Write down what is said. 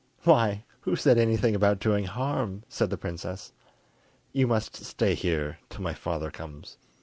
"Why, who said anything about doing harm?" said the princess. "You must stay here till my father comes."